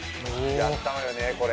やったわよこれ。